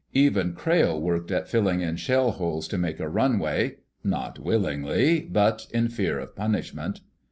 Even Crayle worked at filling in shell holes to make a runway—not willingly, but in fear of punishment.